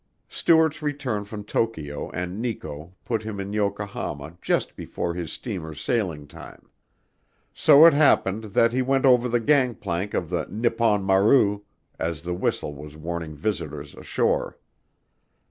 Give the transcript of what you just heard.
Stuart's return from Tokyo and Nikko put him in Yokohama just before his steamer's sailing time. So it happened that he went over the gang plank of the Nippon Maru as the whistle was warning visitors ashore.